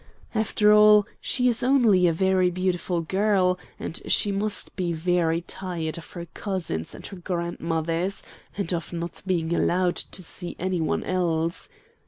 After all, she is only a very beautiful girl, and she must be very tired of her cousins and grandmothers, and of not being allowed to see any one else.